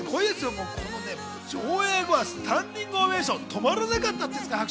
上映後はスタンディングオーベーション止まらなかったんです。